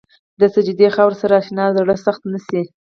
د سجدې خاورې سره اشنا زړه سخت نه شي.